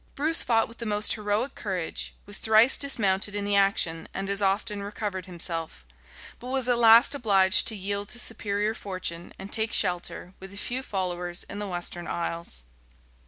[*] Bruce fought with the most heroic courage, was thrice dismounted in the action, and as often recovered himself; but was at last obliged to yield to superior fortune, and take shelter, with a few followers, in the Western Isles.